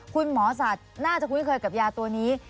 คุณหมอสัตว์น่าจะคุ้นเคยกับยาตัวนี้